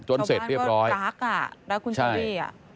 ชาวบ้านก็จ๊ากอ่ะแล้วคุณเชอรี่อ่ะ